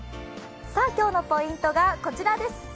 今日のポイントがこちらです。